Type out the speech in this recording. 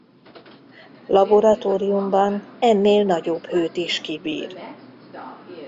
Laboratóriumban ennél nagyobb hőt is kibír.